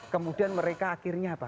kemudian mereka akhirnya apa